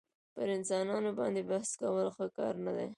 پر انسانانو باندي بحث کول ښه کار نه دئ.